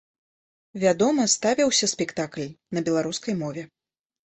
Вядома ставіўся спектакль на беларускай мове.